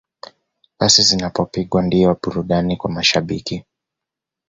Pasi zinapopigwa ndiyo burudani kwa mashabiki